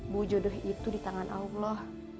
bahwa jodoh itu di tangan allah